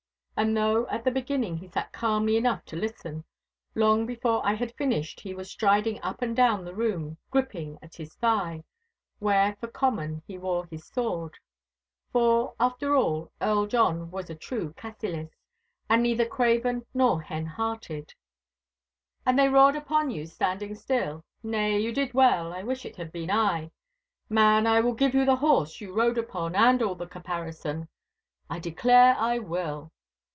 And though at the beginning he sat calmly enough to listen, long before I had finished he was striding up and down the room gripping at his thigh, where for common he wore his sword—for, after all, Earl John was a true Cassillis, and neither craven nor hen hearted. 'And they roared upon you, standing still. Nay, you did well! I wish it had been I! Man, I will give you the horse you rode upon, and all the caparison. I declare I will!